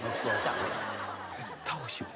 絶対おいしいわ。